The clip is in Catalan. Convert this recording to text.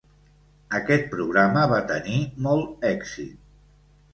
Aquest programa va tenir molt èxit.